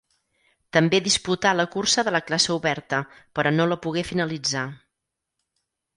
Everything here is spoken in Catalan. També disputà la cursa de la classe oberta, però no la pogué finalitzar.